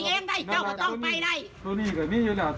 เจ้าก็ต้องไปได้ตัวนี้ก็นี่อยู่แล้วตัวนี้พิษค่อยถามเนี้ย